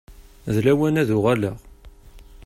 D lawan ad uɣaleɣ.